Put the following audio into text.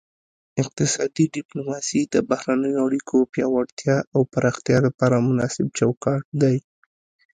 اقتصادي ډیپلوماسي د بهرنیو اړیکو پیاوړتیا او پراختیا لپاره مناسب چوکاټ دی